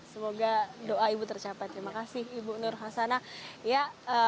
semoga doa ibu tercapek terima kasih ibu nur hasana